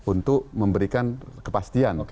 untuk memberikan kepastian